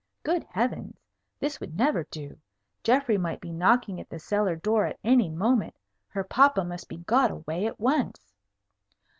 Good heavens! This would never do. Geoffrey might be knocking at the cellar door at any moment. Her papa must be got away at once.